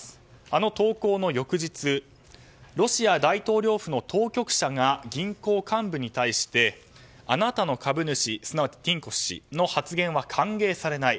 あの投稿の翌日ロシア大統領府の当局者が銀行幹部に対してあなたの株主すなわちティンコフ氏の発言は歓迎されない。